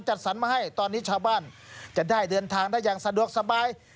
จัดสรรมาให้ตอนนี้ชาวบ้านจะได้เดินทางได้อย่างสะดวกสบาย